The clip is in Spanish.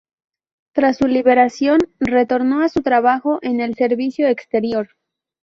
Tras su liberación retornó a su trabajo en el Servicio Exterior.